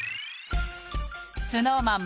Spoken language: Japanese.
ＳｎｏｗＭａｎ